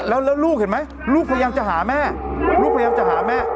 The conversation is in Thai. แล้วลูกเห็นไหมลูกพยายามจะหาแม่ลูกพยายามจะหาแม่